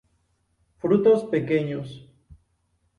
Frutos pequeños.